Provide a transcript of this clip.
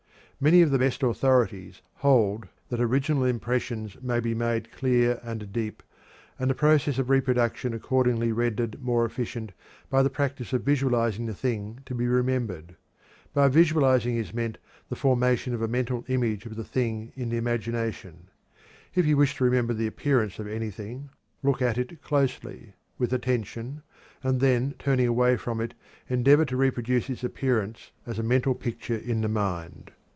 Many of the best authorities hold that original impressions may be made clear and deep, and the process of reproduction accordingly rendered more efficient, by the practice of visualizing the thing to be remembered. By visualizing is meant the formation of a mental image of the thing in the imagination. If you wish to remember the appearance of anything, look at it closely, with attention, and then turning away from it endeavor to reproduce its appearance as a mental picture in the mind.